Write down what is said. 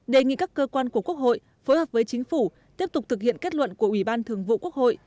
đề nghị các cơ quan của quốc hội phối hợp với chính phủ tiếp tục thực hiện kết luận của ủy ban thường vụ quốc hội